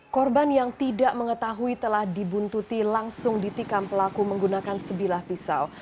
korban yang tidak mengetahui telah dibuntuti langsung ditikam pelaku menggunakan sebilah pisau